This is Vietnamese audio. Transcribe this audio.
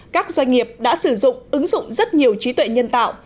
các doanh nghiệp đã sử dụng ứng dụng rất nhiều trí tuệ nhân tạo